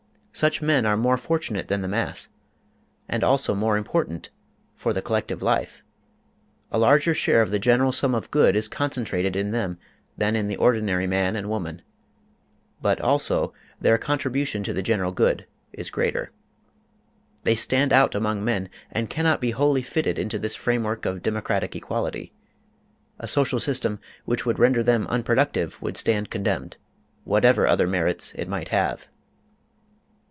Such men are more fortunate than the mass, and also more important for the collective life. A larger share of the general sum of good is concentrated in them than in the ordinary man and woman; but also their contribution to the general good is greater. They stand out among men and cannot be wholly fitted into the framework of democratic equality. A social system which would render them unproductive would stand condemned, whatever other merits it might have.